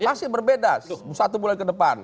masih berbeda satu bulan ke depan